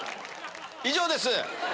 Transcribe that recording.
以上です。